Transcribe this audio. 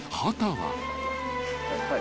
はい。